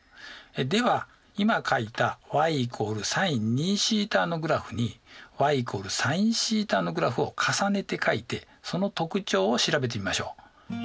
では今かいたｙ＝ｓｉｎ２θのグラフにｙ＝ｓｉｎθのグラフを重ねてかいてその特徴を調べてみましょう。